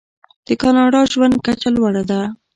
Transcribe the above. د کاناډا ژوند کچه لوړه ده.